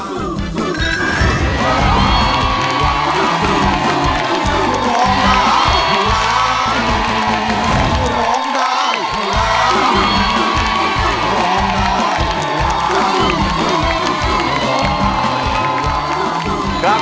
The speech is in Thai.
ภูมิรักเพลง